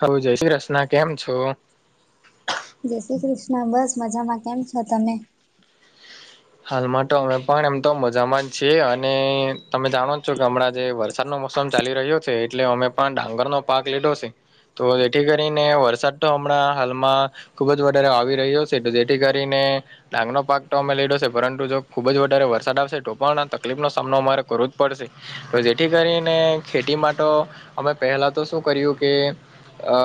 હાલો જય શ્રી કૃષ્ણ કેમ છો? જય શ્રી કૃષ્ણ બસ મજામાં, કેમ છો તમે? હાલમાં તો અમે પણ એમ તો મજામાં જ છીએ અને તમે જાણો છો કે હમણાં જે વ- વરસાદનો મોસમ ચાલી રહ્યો છે એટલે અમે પણ ડાંગરનો પાક લીધો છે. તો જેથી કરીને વરસાદ તો હમણાં હાલમાં- ખુબ જ વધારે આવી રહ્યો છે જેથી કરીને ડાંગનો પાક તો અમે લીધો છે. પરંતુ જો ખૂબ જ વધારે વરસાદ આવશે તો પણ આ તકલીફનો સામનો અમારે કરવો જ પડશે. તો જેથી કરીને ખેતીમાં તો અમે પહેલા તો શું કર્યું કે- અ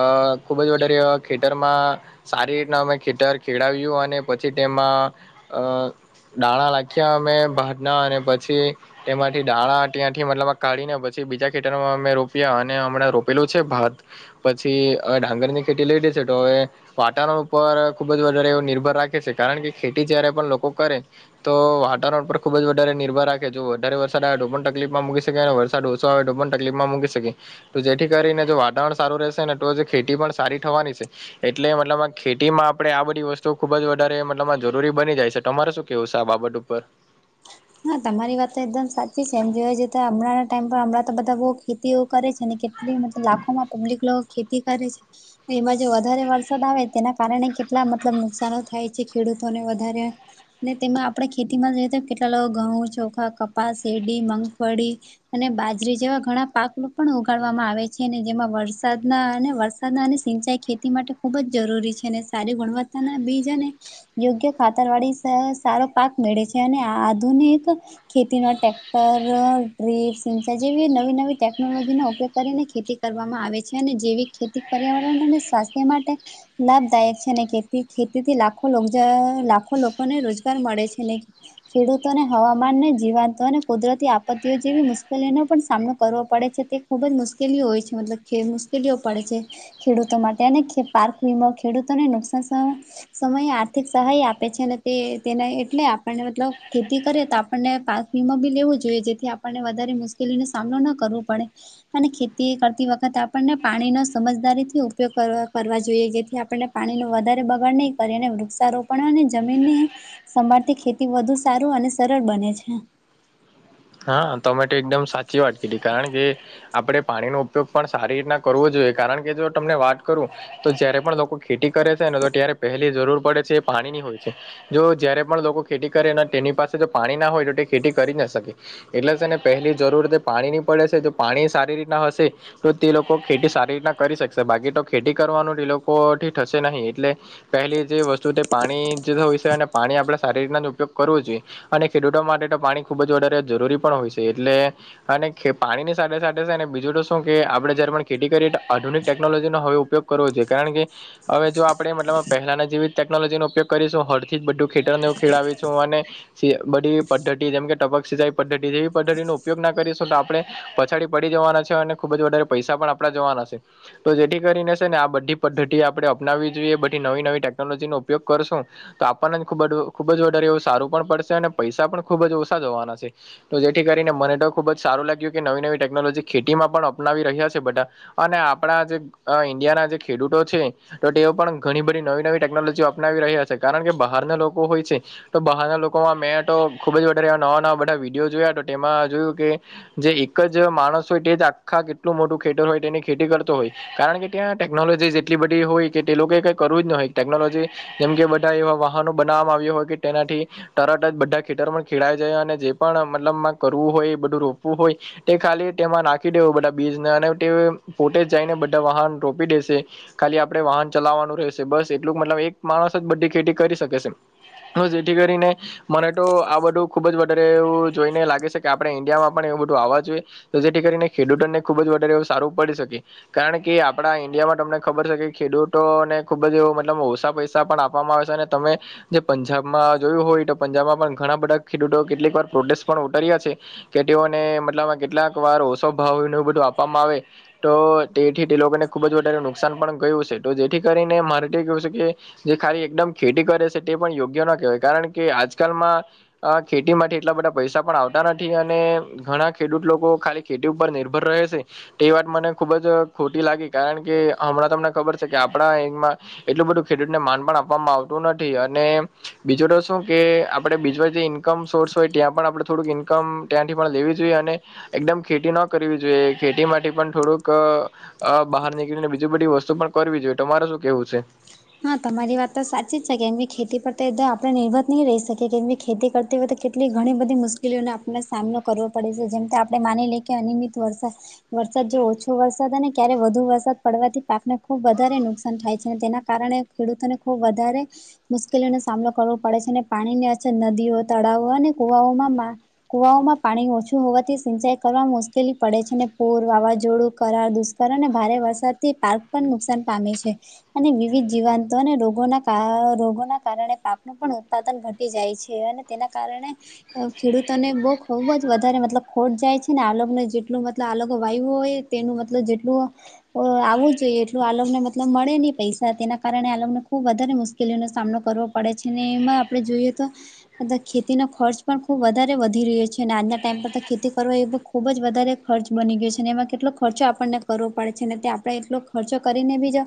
ખુબ જ વધારે ખેેતરમાં, સારી રીતના અમે ખેતર ખેળાવ્યું અને પછી તેમાં અ- દાણા લખ્યા અમે ભાતના અને પછી- તેમાંથી દાણા ત્યાંથી મતલબ આ કાઢી ને પછી બીજા ખેતરમાં અમે રોપ્યા અને હમણાં રોપેલું છે ભાત પછી હવે ડાંગરની ખેતી લઈ લેશે તો હવે વાતાવરણ ઉપર ખૂબ જ વધારે એવું નિર્ભર રાખે છે કારણ કે ખેતી જ્યારે પણ લોકો કરે.. તો વાતાવરણ પર ખુબ જ વધારે નિર્ભર રાખે જો વધારે વરસાદ આવે તો પણ તકલીફમાં મૂકી શકાય ને વર- -સાદ ઓછો આવે તો પણ તકલીફમાં મૂકી શકે. તો જેથી કરીને જો વાતાવરણ સારું રહેશે ને તો જે ખેતી પણ સારી થવાની છે. એટલે મતલબ આ ખેતી માં આપડે આ બધી વસ્તુ ખુબ જ વધારે મતલબ જરૂરી બની જાય છે તમારે શું. કેવુ છે આ બાબત ઉપર? હા તમારી વાત તો એકદમ સાચી છે એમ જોય જો તો હમણાં ટાઈમ પર હમણાં તો બધા બહુ ખેતી ઓ કરે છે ને [inaudible] લાખોમાં પબ્લિક ખેતી કરે છે. એમાં જો વધારે વરસાદ આવે તેના કારણે કેટલા મતલબ નુકસાનો થાય છે. ખેડૂતોને વધારે ને તેમાં આપણેે ખેતીમાં જોઈએ તો કેટલા ઘઉં ચોખા કપાસ શેરડી મગફળી અને બાજરી જેવા ઘણા પાકમાં પણ ઉગાડવામાં આવે છે. જેમાં વરસાદના અને વરસાદ અને સિંચાઈ ખેતી માટે ખૂબ જ જરૂરી છે. અને સારી ગુણવત્તાના બીજ અને યોગ્ય ખાતરવાળી સારો પાક મેળે છે. અને આધુનિક ખેતીમાં ટેક્ટર ડ્રીપ સિંચાઈ જેવી નવી નવી ટેકનોલોજીનો ઉપયોગ કરીને ખેતી કરવામાં આવે છે. અને જેવી ખેતી પર્યાવરણ અને સ્વાસ્થ્ય માટે લાભદાયક છે. ને ખેતી ખેતીથી લાખો રોજ લાખો લોકોને રોજગાર મળે છે ને ખેડૂત તેને હવામાનને જીવાંત અને કુદરતી આપત્તિઓ જેવી મુશ્કેલીઓનો પણ સામનો કરવો પડે છે તે ખુબ જ મુશ્કેલીઓ હોય છે. મતલબ કે મુશ્કેલીઓ પડે છે. ખેડૂતો માટે અને પાર્ક વીમો ખેડૂતોને નુકસાન સામે સમયે આર્થિક સહાય આપે છે અને તે તેને એટલે આપણને મતલબ ખેતી કરીએ તો આપણને પાક વીમોબી લેવો જોઈએ. જેથી આપણને વધારે મુશ્કેલીનો સામનો ન કરવો પડે. અને ખેતી કરતી વખતે આપણને પાણીનો સમજદારીથી ઉપયોગ કરવા કરવા જોઈએ. જેથી આપણને પાણીનો વધારે બગાડ નહીં કરીએ. અને વૃક્ષારોપણ અને જમીનને સંભાળતી ખેતી વધુ સારું અને સરળ બને છે. હા તમે તો એકદમ સાચી વાટ કીધી કારણ કે આપણે પાણીનો ઉપયોગ પણ સારી રીતના કરવો જોઈએ. કારણ કે જો તમને વાત કરું તો જયારે પણ લોકો ખેતી કરે છે ને તો ત્યારે પહેલી જરૂર પડે છે. એ પાણીની હોય છે. જો જયારે પણ લોકો ખેતી કરે અને તેની પાસે જો પાણી ના હોય તો તે ખેતી કરી જ ન શકે. એટલે શેને પહેલી જરૂર તે પાણીની પડે છે. જો પાણી સારી રીતના હશે. તો તે લોકો ખેતી સારી રીતના કરી શકશે. બાકી તો ખેતી કરવાનો તે લોકોથી થશે નહી એટલે પહેલી જે વસ્તુ તે પાણી જ હોય છે. અને પાણી આપણે સારી રીતના જ ઉપયોગ કરવો જોઈએ. અને ખેડૂતો માટે તો પાણી ખુબ જ વધારે જરૂરી પણ હોય છે. એટલે અને ખે પાણીની સાથે સાથે શેને બીજું તો શું કે આપણે જયારે પણ ખેતી કરીએ આધુનિક ટેકનોલોજીનો હવે ઉપયોગ કરવો જોઈએ કારણ કે હવે જો આપણે મતલબ પહેલાના જેવી ટેકનોલોજીનો ઉપયોગ કરીશું હળથી જ બધું ખેતરને એવું ખેળવીશું અને બધી પદ્ધતિ જેમકે ટપક સિંચાઈ પદ્ધતિ જેવી પદ્ધતિનો ઉપયોગ ના કરીશું. તો આપણે પછાડી પડી જવાના છે. અને ખુબ જ વધારે પૈસા પણ આપડા જવાના છે. તો જેથી કરીને શેને આ બધી પદ્ધતિ આપણે અપનાવવી જોઈએ. બધી નવી નવી ટેકનોલોજીનો ઉપયોગ કરશું. તો આપણને ખૂબ જ ખુબ જ વધારે એવું સારું પણ પડશે અને પૈસા પણ ખુબ જ ઓછા જવાના છે. તો જેથી કરીને મને તો ખુબ જ સારું લાગ્યું કે નવી નવી ટેકનોલોજી ખેતીમાં પણ અપનાવી રહ્યા છે. બધા અને આપણા જે અ ઈન્ડિયાના જે ખેડૂતો છે. તો તેઓ પણ ઘણી બધી નવી નવી ટેકનોલોજી અપનાવી રહ્યા છે. કારણ કે બહારના લોકો હોય છે. તો બહારના લોકોમાં મેં તો ખુબ જ વધારે એવા નવા નવા બધા વિડીયો જોયા તેમાં જોયું કે જે એક જ માણસ હોય તે જ આખા કેટલું મોટું ખેતર હોય તેની ખેતી કરતો હોય. કારણ કે ત્યાં ટેકનોલોજી જ એટલી બધી હોય કે તે લોકો કઈ કરવું જ ન હોય ટેકનોલોજી જેમ કે બધા એવા વાહનો બનાવવામાં આવ્યા હોય, કે તેનાથી તરટ જ બધા ખેતરમા ખેડાઈ જાય. અને જે પણ મતલબમાં કરવું હોય બધું રોપવું હોય. તે ખાલી તેમાં નાખી દેવુ બધા બીજને અને તે પોતે જઈને બધા વાહન રોપી દેશે. ખાલી આપણે વાહન ચલાવવાનું રહેશે. બસ એટલું મતલબ એક માણસ જ બધી ખેતી કરી શકે છે. હ જેથી કરીને મને તો આ બધું ખુબ જ વધ એવું જોઈને લાગે છે કે આપણે ઇન્ડીયામાં પણ એવું બધું આવવા જોઈએ. તો જેથી કરીને ખેડૂતોને ખુબ જ વધારે એવું સારું પડી શકે. કારણ કે આપડા ઇન્ડિયામાં તમને ખબર છે કે ખેડૂતોને ખુબ જ એવું મતલબમા ઓછા પૈસા સા પણ આપવામાં આવે છે અને તમે જે પંજાબમાં હોય તો પંજાબમાં પણ ઘણા બધા ખેડૂતો કેટલીક વાર પ્રોટેસ્ટ પણ ઉતર્યા છે. કે તેઓને મતલબ કેટલાક વાર ઓછો ભાવ ને એ બધું આપવામાં આવે. તો તેથી તે લોકોને ખુબ જ વધારે નુકસાન પણ ગયું છે. તો જેથી કરીને મારે તો એ કેવું છે કે જે ખાલી એકદમ ખેતી કરે છે તે પણ યોગ્ય ન કહેવાય, કારણ કે આજકાલમાં અ ખેતી માટે એટલા બધા પૈસા પણ આવતા નથી અને ઘણા ખેડૂત લોકો ખાલી ખેતી ઉપર નિર્ભર રહે છે. તે વાત મને ખુબ જ ખોટી લાગી. કારણ કે, હમણાં તમને ખબર છે કે આપણા એગમા એટલું બધું ખેડૂતને માન પણ આપવામાં આવતું નથી અને બીજો તો શું કે આપડે બીજો જે ઇન્કમ સોર્સ હોય ત્યાં પણ આપડે થોડુંક ઈન ઇન્કમ ત્યાંથી પણ લેવી જોઈએ અને એકદમ ખેતી ન કરવી જોઈએ. ખેતી માથી પણ થોડુંક અ અ બહાર નીકળીને બીજી બધી વસ્તુ પણ કરવી જોઈએ. તો તમારે શું કેવું છે? હા તમારી વાત તો સાચી જ છે. કે એમ ખેતી પર તો આપણે નિર્ભર નહી રહી શકીએ. કેમ કે ખેતી કર તે બધતે કેટલી ઘણી બધી મુશ્કેલીઓનો આપણને સામનો કરવો પડે છે. જેમ આપણે માની લઈએ કે અનિયમિત વરસાદ વરસાદ જો ઓછો વરસાદ અને ક્યારે વધુ વરસાદ પડવાથી પાકને ખુબ વધારે નુકસાન થાય છે અને તેના કારણે ખેડૂતોને ખૂબ વધારે મુશ્કેલીઓનો સામનો કરવો પડે છે અને પાણીની અછત નદીઓ, તળાવો અને કુવાઓમાં કુવાઓમાં પાણી ઓછું હોવાથી સિંચાઈ કરવા મુશ્કેલી પડે છે. ને પૂર, વાવાઝોડું, કરાર, દુષ્ કારણે ભારે વરસાદ થી પાર્ક પણ નુકસાન પામે છે અને બી જીવાંત રોગોના રોગોના કારણે પાકનું પણ ઉત્પાદન ઘટી જાય છે અને તેના કારણે ખેડૂતોને બઉ ખુબ જ વધારે મતલબ ખોટ જાય છે ને. આલોગને જેટલું મતલબ આ લોકે જેટલું વાયવુ હોય તેનું મતલબ જેટલું આવવું જોઈએ, એટલું આલોકને મતલબ મળે નહી પૈસા. તેના કારણે આ લોકોને ખુબ વધારે મુશ્કેલીઓનો સામનો કરવો પડે છે અને એમાં આપણે જોઈએ તો ખેતીનો ખર્ચ પણ ખુબ વધારે વધી રહ્યો છે અને આજના ટાઈમ પર તો ખેતી કરવો એ ખૂબ જ વધારે ખર્ચ બની ગયો છે અને એમાં કેટલો ખર્ચો આપણને કરવો પડે છે અને તે આપણે એટલો ખર્ચો કરીને બી જો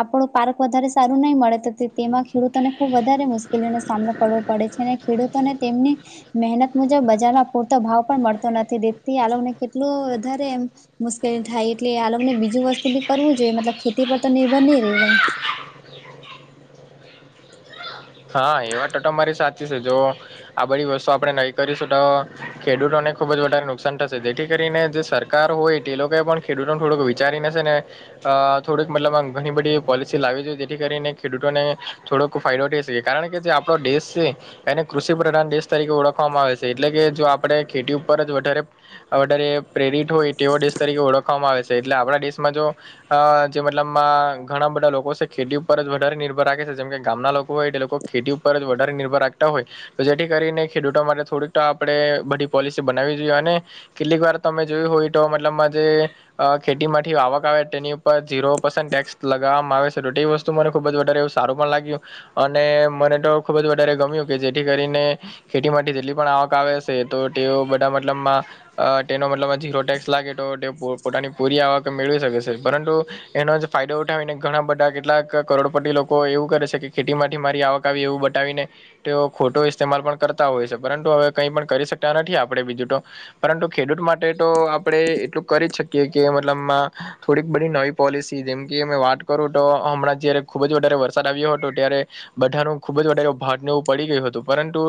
આપણે પાર્ક વધારે સારું નહીં મળે, તેમાં ખેડૂતોને ખુબ વધારે મુશ્કેલીઓનો સામનો કરવો પડે છેને. ખેડૂતોને તેમની મહેનત મુજબ બજારમાં પૂરતો ભાવ પણ મળતો નથી. દીતી આલોકને કેટલું વધારે એમ મુશ્કેલી થાય. એટલે આ લોકો ને બીજું વસ્તુ બી કરવું જોઈએ, મતલબ ખેતી પર તો નિર્ભર ની રેવાઈ. હા એ વાત તો તમારી સાચી છે. જો આ બધી વસ્તુ આપણે નહીં કરીશું તો ખેડૂતોને ખુબ જ વધારે નુકસાન થશે, જેથી કરીને જે સરકાર કાર હોય તે લોકો પણ ખેડૂતોને થોડુંક વિચારી ને સેને અ થોડીક મતલબ આમ ઘણી બધી પોલિસી લાવી જોઈએ. જેથી કરીને ખેડૂતોને થોડોક ફાયદો થઈ શકે. કારણ કે જે આપણો દેશ છે. એને કૃષિ પ્રધાન દેશ તરીકે ઓળખવામાં આવે છે એટલે કે જો આપણે ખેતી ઉપર જ વધારે અ વધારે પ્રેરિત હોય તેવો દેશ તરીકે ઓળખવામાં આવે છે. એટલે આપણા દેશમાં જો અ જે મતલબમાં ઘણા બધા લોકો છે ખેતી ઉપર જ વધારે નિર્ભર રાખે છે, જેમ કે ગામના લોકો હોય તે લોકો ખેતી ઉપર જ વધારે નિર્ભર રાખતા હોય. જેથી કરીને ખેડૂતો માટે થોડીક આપણે બધી પોલિસી બનાવી જોઈએ અને કેટલીક વાર તમે જોયુ હોય તો મતલબમાં જે અ ખેતીમાંથી આવક આવે તેની ઉપર ઝીરો પર્સન્ટ ટેક્સ લગાવવામાં આવે છે. તો તે વસ્તુ [unintelligible] મને ખુબ જ વધારે એવું સારું પણ લાગ્યું અને મને તો ખુબ જ વધારે ગમ્યું કે જેથી કરીને ખેતી માટે જેટલી પણ આવક આવેશે તો તેઓ બધા મતલબમાં અ તેનો મતલબ જીરો ટેક્સ લાગે તો તે પોતાની પૂરી આવક મેળવી શકે છે. પરંતુ એનો જ ફાયદો ઉઠાવીને ઘણા બધા કેટલાક કરોડપતી લોકો એવું કરે છે કે ખેતીમાંથી મારી આવક બતાવી એવું બતાવીને તેઓ ખોટો ઇસ્તેમાલ પણ કરતા હોય છે. પરંતુ, હવે કઈ પણ કરી શકતા નથી આપડે બીજું તો. પરંતુ ખેડૂત માટે તો આપણે એટલું કરી જ શકીએ કે મતલબમાં થોડીક બધી નવી પોલિસી જેમ કે અમે વાત કરું તો હમણાં જયારે ખૂબ જ વધારે વરસાદ આવ્યો હતો. ત્યારે બધાનું ખૂબ જ વધારે એવ ભાટને એવું પડી ગયું હતું પરંતુ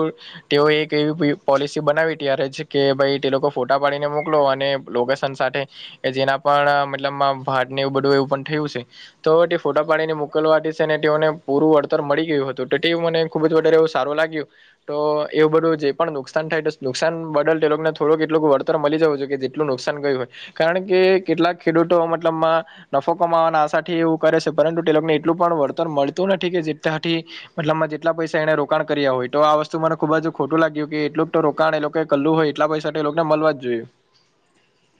તેઓ એક એવી પી પોલિસી બનાવી ત્યારે જ કે ભાઈ તે લોકો ફોટા પાડીને મોકલો અને લોકેશન સાથે જેના પણ મતલબ ભાટને એવું બધું એવું પણ થયું છે. તો તે ફોટા પાડીને મોકલવાથી સેને તેઓને પૂરું વળતર મળી ગયું હતું. તો ટે મને ખુબ જ વધારે એવું સારું લાગ્યું. તો એવું બધું જે પણ નુકસાન થાય ટો નુકસાન બદલ ટે લોકને થોડુંક એટલું વળતર મળી જવું જોઈએ કે એટલું નુકસાન ગયું હોય. કારણ કે કેટલાક ખેડૂતો મતલબમાં નફો કમાવાના આશાથી એવું કરે છે પરંતુ તે લોકોને એટલું પણ વળતર મળતું નથી કે જે તેનાથી મતલબમાં જેટલા પૈસા એને રોકાણ કર્યા હોય તો આ વસ્તુ મને ખુબ જ ખોટું લાગ્યું કે એટલું તો રોકાણ એ લોકોએ કલ્લું હોય એટલા પૈસા તો એ લોકને મળવા જ જોઈએ.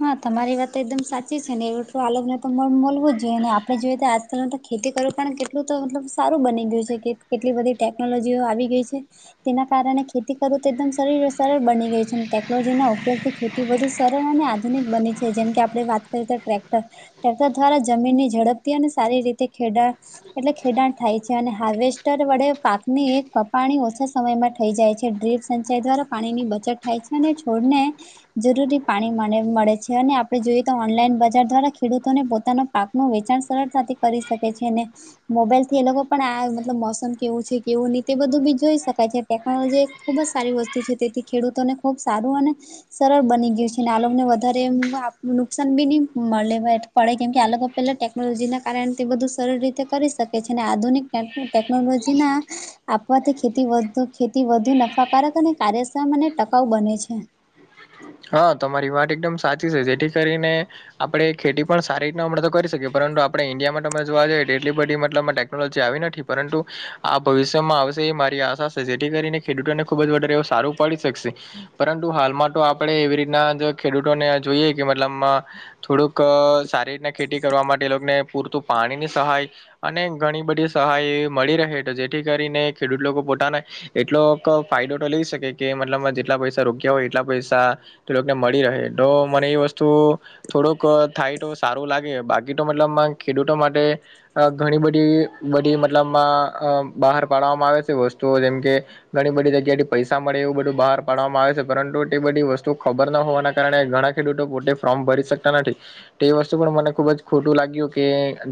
હા તમારી વાત તો એકદમ સાચી છે ને એટલું આ લોગને તો મલવું જ જોઈએ ને આપડે જોઈએ તો પરંતુ ખેતી કરવી પણ કેટલું તો મતલબ સારું બની ગયું છે કે ‌એટલી બધી ટેક્નોલોજીઓ આવી ગઈ છે. તેના કારણે ખેતી કરવું તો એકદમ સરર સરળ બની ગઈ છે ટેકનોલોજીના ઉપયોગથી ખેતી વધુ સરળ અને આધુ આધુનિક બની છે. જેમ કે આપણે વાત કરીએ તો ટ્રેક્ટર ટેક્ટર દ્વારા જમીનની ઝડપથી અને સારી રીતે ખેડા એટલે ખેડાણ થાય છે અને હાર્વેસ્ટર વડે પાકની એક કપાણી ઓછા સમયમાં થઈ જાય છે. ડ્રી સંચાઇદ્વારા પાણીની બચત થાય છે અને છોડને જરૂરી પાણી મળે મળે છે અને આપણે જોઈએ તો ઓનલાઈન બજાર દ્વારા ખેડૂતોને પોતાના પાકનું વેચાણ સરળતાથી કરી શકે છે. અને મોબાઈલથી એ લોકો પણ આ મતલબ મોસમ કેવું છે કેવું નહી તે બધું બી જોઈ શકાય છે. ટેક્નોલોજી ખુબ જ સારી વસ્તુ છે. તેથી ખેડૂતોને ખુબ સારું અને સરળ બની ગયું છે અને આ લોક ને વધારે આમ નુકસાન બી ની મલે પડે કેમ કે આલોગો પેલા ટેક નોલોજીના કારણે તે બધું સરળ રીતે કરી શકે છે. અને આધુનિક ટેકનોલોજીના આપવાથી ખેતી વધુ ખેતી વધુ નફાકારક અને કાર્યક્ષમ અને ટકાઉ બને છે. હા તમારી વાત એકદમ સાચી છે જેથી કરીને આપણેે ખેતી પણ સારી રીતના આપણે તો કરી શકીએ પરંતુ આપણે ઈન્ડિયામાં તમે જોવા જઈએ તો એટલી બધી મતલબમાં ટેક્નોલોજી આવી નથી. પરંતુ આ ભવિષ્યમાં આવશે એ મારી આશા છે જેથી કરીને ખેડૂતોને ખુબ જ વધારે એવું સારું પડી શકશે. પરંતુ હાલમાં તો આપણેે એવી રીતના ખેડૂતોને જોઈએ કે મતલબમાં થોડુંક સારી રીતના ખેતી કરવા માટે એ લોકને પૂરતું પાણીની સહાય અને ઘણી બધી સહાય મળી રહે છે. જેથી કરીને ખેડૂત લોકો પોતાના એટલો ફાયદો તો લઈ શકે કે મતલબમાં જેટલા પૈસા રોક્યા હોય એટલા પૈસા તે લોકને મળી રહે તો મને એ વસ્તુ થોડોક થાય તો સારું લાગે બાકી તો મતલબમાં ખેડૂતો માટે અ ઘણી બધી બધી મતલબમાં બહાર પાડવામાં આવે છે વસ્તુઓ જેમ કે ઘણી બધી જગ્યાએથી પૈસા મળે એવું બધું બહાર પાડવામાં આવે છે પરંતુ એટલી બધી વસ્તુ ખબર ના હોવાના કારણે ઘણા ખેડૂતો પોતે ફોર્મ ભરી શકતા નથી. તે વસ્તુ પણ મને ખુબ જ ખોટું લાગ્યું કે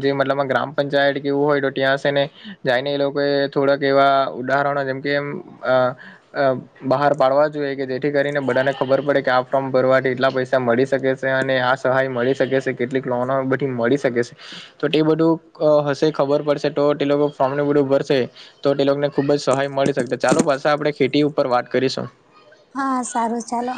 જે મતલબમાં ગ્રામ પંચાયત કે એવું હોય તો ત્યાં શે ને જાયને એ લોકોએ થોડાક એવા ઉદાહરણો જેમ કે આ આ બહાર પાડવા જોઈએ કે જેથી કરીને બધાને ખબર પડે કે આ ફોર્મ ભરવાથી એટલા પૈસા મળી શકે સે અને આ સહાય મળી શકે સે કેટલી લોનો બધી મળી શકે છે. તો તે બઢુ અહ હશે ખબર પડશે તો તે લોકો ફોમને બઢુ ભરસે. ટો ટે લોકોને ખુબ જ સહાય મળી શકશે. ચાલો પાછા આપડે ખેટી ઉપર વાત કરીશું. હા સારું ચાલો.